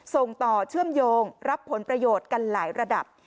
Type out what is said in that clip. ส่งต่อเชื่อมโยงรับผลประโยชน์กันหลายระดับ